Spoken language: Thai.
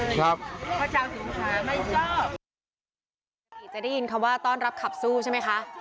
จะได้ยินคำว่าต้อนรับขับสู้ใช่ไหมคะ